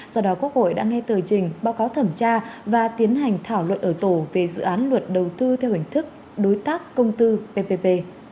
do đó quốc hội đã nghe tờ trình báo cáo thẩm tra và tiến hành thảo luận ở tổ về dự án luật đầu tư theo hình thức đối tác công tư ppp